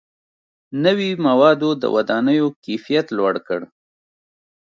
• نوي موادو د ودانیو کیفیت لوړ کړ.